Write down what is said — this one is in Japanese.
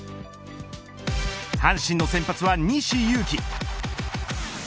阪神の先発は西勇輝。